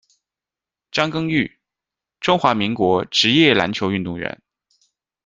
张耕淯，中华民国职业篮球运动员。